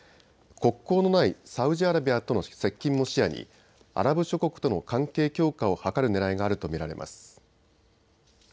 国交のないサウジアラビアとの接近も視野にアラブ諸国との関係強化を図るねらいがあると見られます。